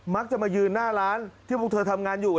มักจะมายืนหน้าร้านที่พวกเธอทำงานอยู่